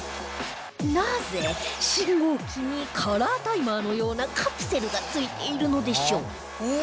なぜ信号機にカラータイマーのようなカプセルが付いているのでしょう？